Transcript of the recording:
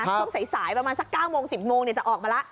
ช่วงใส่ประมาณ๙๑๐โมงจะออกมาแล้ว